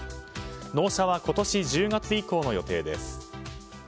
納車は今年１０月以降の予定です。